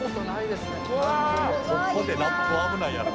ここでラップは危ないやろ。